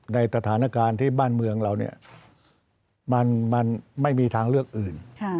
ในสถานการณ์ที่บ้านเมืองเรามันไม่มีทางเลือกอื่น